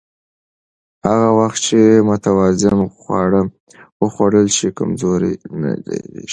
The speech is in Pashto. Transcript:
هغه وخت چې متوازن خواړه وخوړل شي، کمزوري نه ډېریږي.